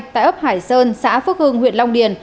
tại ấp hải sơn xã phước hưng huyện long điền